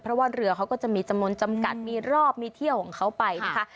เพราะว่าเรือเขาก็จะมีจำนวนจำกัดมีรอบมีเที่ยวของเขาไปนะคะ